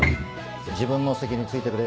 自分の席に着いてくれ。